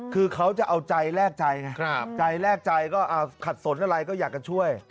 คือเขาจะเอาใจแลกใจไงใจแรกใจก็ขัดสนอะไรก็อยากจะช่วย